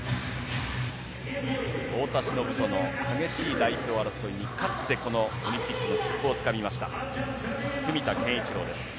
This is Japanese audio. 太田忍との激しい代表争いに勝って、このオリンピックの切符をつかみました、文田健一郎です。